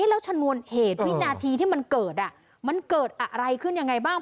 แล้วชนวนเหตุวินาทีที่มันเกิดมันเกิดอะไรขึ้นยังไงบ้าง